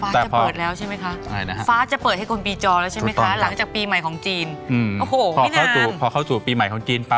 ต่อไปฟ้าจะเปิดแล้วใช่ไหมคะ